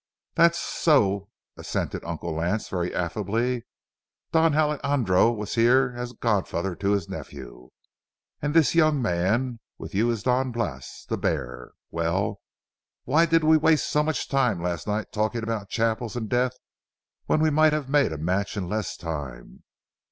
"That's so," assented Uncle Lance, very affably, "Don Alejandro was here as godfather to his nephew. And this young man with you is Don Blas, the bear? Well, why did we waste so much time last night talking about chapels and death when we might have made a match in less time?